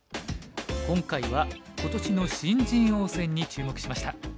今回は今年の新人王戦に注目しました。